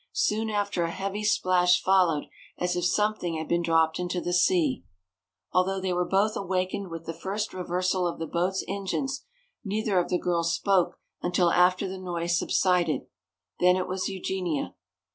Soon after a heavy splash followed as if something had been dropped into the sea. Although they were both awakened with the first reversal of the boat's engines, neither of the girls spoke until after the noise subsided. Then it was Eugenia.